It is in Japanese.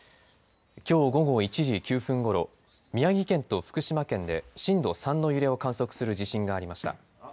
きょう午後１時９分ごろ、宮城県と福島県で震度３の揺れを観測する地震がありました。